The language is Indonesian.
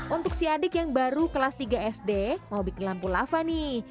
untuk si adik yang baru kelas tiga sd mau bikin lampu lava nih